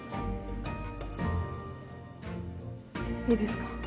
いいですか？